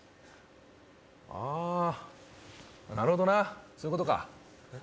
あなるほどなそういうことかえっ？